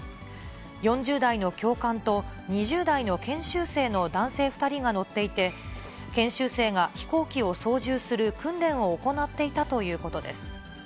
４０代の教官と、２０代の研修生の男性２人が乗っていて、研修生が飛行機を操縦する訓練を行っていたということです。